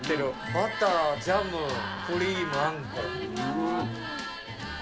バター、ジャム、クリーム、あんこ。